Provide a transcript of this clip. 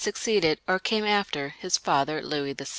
succeeded, or came after, his father Louis VI.